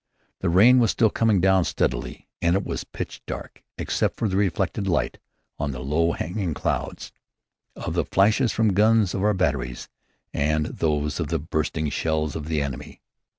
The rain was still coming down steadily, and it was pitch dark, except for the reflected light, on the low hanging clouds, of the flashes from the guns of our batteries and those of the bursting shells of the enemy.